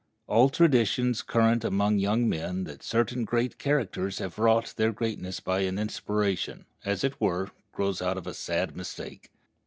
All traditions current among young men that certain great characters have wrought their greatness by an inspiration, as it were, grows out of a sad mistake.